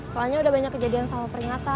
soalnya udah banyak kejadian sama peringatan